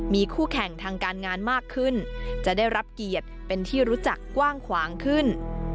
มีคู่แข่งทางการงานมากขึ้นจะได้รับเกียรติเป็นที่รู้จักกว้างขวางขึ้น